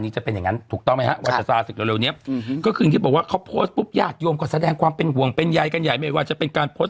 จะเป็นอย่างนั้นถูกต้องไหมฮะว่าจะซาศึกเร็วนี้ก็คืออย่างที่บอกว่าเขาโพสต์ปุ๊บญาติโยมก็แสดงความเป็นห่วงเป็นใยกันใหญ่ไม่ว่าจะเป็นการโพสต์